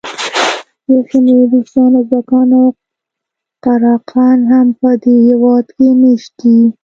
یو شمېر روسان، ازبکان او قراقان هم په دې هېواد کې مېشت دي.